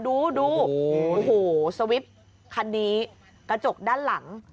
ดูดูโอ้โหสวิปคันนี้กระจกด้านหลัง